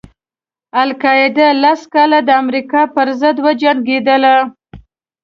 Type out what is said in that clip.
القاعده یې لس کاله د امریکا پر ضد وجنګېدله.